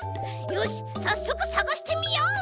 よしさっそくさがしてみよう！